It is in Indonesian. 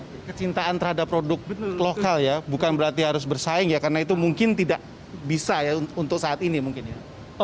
oke kecintaan terhadap produk lokal ya bukan berarti harus bersaing ya karena itu mungkin tidak bisa ya untuk saat ini mungkin ya